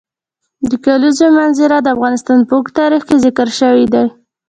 د کلیزو منظره د افغانستان په اوږده تاریخ کې ذکر شوی دی.